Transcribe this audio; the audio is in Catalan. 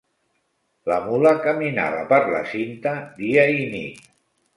La mula caminava per la cinta dia i nit.